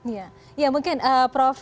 ya mungkin prof